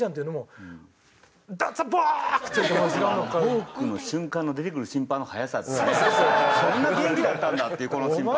ボークの瞬間の出てくる審判の早さってねそんな元気だったんだっていうこの審判はっていうね。